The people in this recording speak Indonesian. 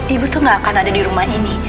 ibu tuh gak akan ada di rumah ini